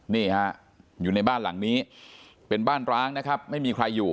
นี่ฮะอยู่ในบ้านหลังนี้เป็นบ้านร้างนะครับไม่มีใครอยู่